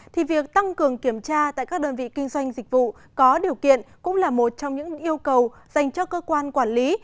thì việc tăng cường kiểm tra tại các đơn vị kinh doanh dịch vụ có điều kiện cũng là một trong những yêu cầu dành cho cơ quan quản lý